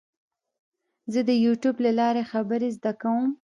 زه د یوټیوب له لارې خبرې زده کوم.